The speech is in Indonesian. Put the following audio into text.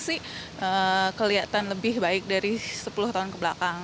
saya rasa kelihatan lebih baik dari sepuluh tahun kebelakang